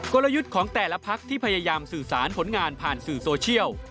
กลยุทธ์ของแต่ละพักที่พยายามสื่อสารผลงานผ่านสื่อโซเชียล